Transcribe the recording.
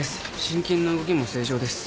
心筋の動きも正常です。